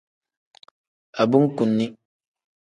Abunkuni.